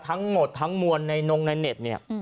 ทั้งหมดทั้งมวลในนงในเน็ตเนี่ย